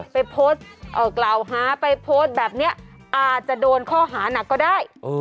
ไปโพสต์กล่าวหาไปโพสต์แบบนี้อาจจะโดนข้อหานักก็ได้